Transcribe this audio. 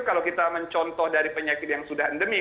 kalau kita mencontoh dari penyakit yang sudah endemi